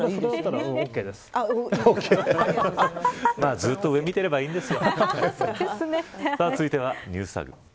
ずっと上を見てればいいんですよ。